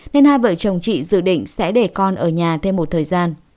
nên hai vợ chồng chị dự định sẽ để con ở nhà thêm một thời gian